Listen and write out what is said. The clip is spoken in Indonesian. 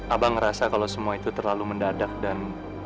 abang ngerasa kalau semua itu terlalu mendadak dan